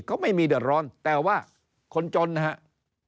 เขาไม่มีเดือดร้อนแต่ว่าคนจนนะครับ